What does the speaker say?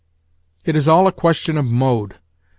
It is all a question of mode.